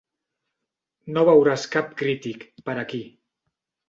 No veuràs cap crític, per aquí.